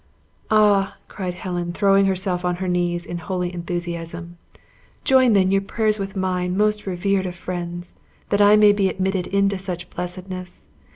'" "Ah!" cried Helen, throwing herself on her knees in holy enthusiasm; "join then your prayers with mine, most revered of friends, that I may be admitted into such blessedness!